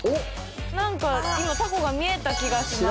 なんか今、タコが見えた気がします。